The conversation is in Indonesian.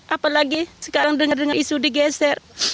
apalagi sekarang dengan isu digeser